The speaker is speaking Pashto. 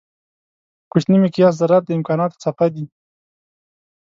په کوچني مقیاس ذرات د امکانانو څپه دي.